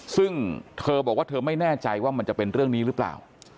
ซึ่งเธอบอกว่าเธอไม่แน่ใจว่ามันจะเป็นเรื่องนี้หรือเปล่า